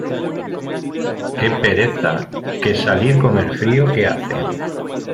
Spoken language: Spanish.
Qué pereza, que salir con el frío que hace.